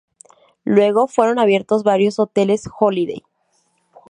Luego fueron abiertos varios hoteles Holiday